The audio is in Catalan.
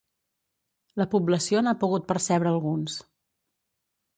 La població n’ha pogut percebre alguns.